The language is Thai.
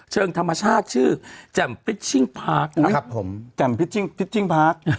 เชิงธรรมชาติชื่อจ่ำพิชชิ่งพาร์คนะครับผมจ่ำพิชชิ่งพิชชิ่งพาร์ค